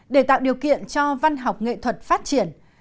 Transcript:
để tạo điều kiện cho văn học nghệ thuật phát triển